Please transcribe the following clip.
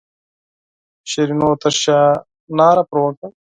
شیرینو تر شایه ناره پر وکړه.